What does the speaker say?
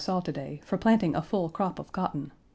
Page 180 saw to day, for planting a full crop of cotton.